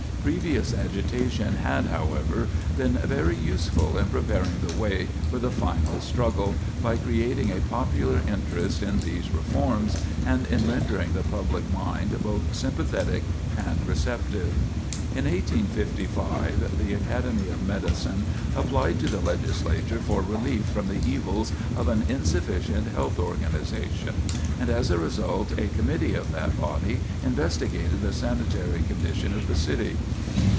Previous agitation had, however, been very useful in preparing the way for the final struggle, by creating a popular interest in these reforms and in rendering the public mind both sympathetic and receptive. [Sidenote: Incompetent Health Officers] In 1855 the Academy of Medicine applied to the Legislature for relief from the evils of an insufficient health organization, and as a result a committee of that body investigated the sanitary condition of the city.